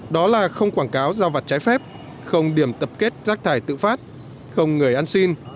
đó là không quảng cáo giao vặt trái phép không điểm tập kết rác thải tự phát không người ăn xin